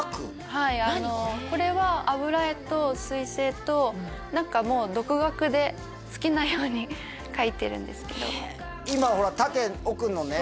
はいこれは油絵と水彩と何かもう独学で好きなように描いてるんですけど今ほら縦奥のね